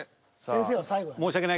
先生は最後やね。